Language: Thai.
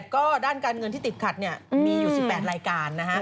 ก็ด้านการเงินที่ติดขัดมีอยู่๑๘รายการนะฮะ